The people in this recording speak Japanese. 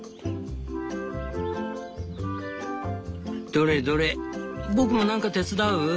「どれどれ僕もなんか手伝う？